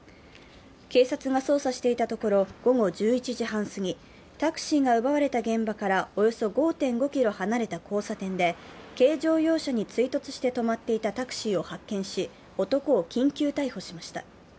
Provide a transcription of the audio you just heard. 警察が捜査していたところ、午後１１時半すぎ、タクシーが奪われた現場からおよそ５．５ｋｍ離れた交差点で軽乗用車に追突して止まっていたタクシーを発見し男を緊急逮捕しました。